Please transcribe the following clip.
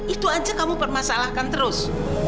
itu aja kamu permasalahkan terus